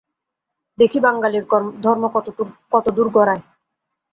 দেখি বাঙালীর ধর্ম কতদূর গড়ায়।